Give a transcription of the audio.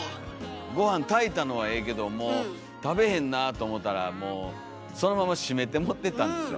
ごはん炊いたのはええけども食べへんなと思ったらもうそのまま閉めてもってたんですよ。